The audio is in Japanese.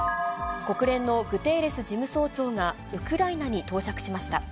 国連のグテーレス事務総長が、ウクライナに到着しました。